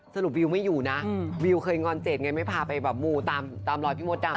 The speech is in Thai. วิวไม่อยู่นะวิวเคยงอนเจดไงไม่พาไปแบบมูตามรอยพี่มดดำ